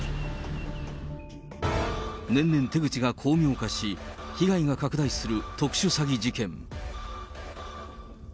年々、手口が巧妙化し、被害が拡大する特殊詐欺事件。